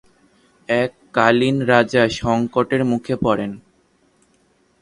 এক কালীন রাজা সংকটের মুখে পড়েন।